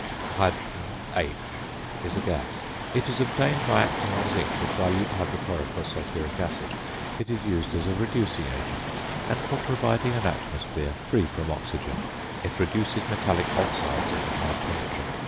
~Hydrogen~ (H) is a gas. It is obtained by acting on zinc with dilute hydrochloric or sulphuric acid. It is used as a reducing agent, and for providing an atmosphere free from oxygen. It reduces metallic oxides at a high temperature.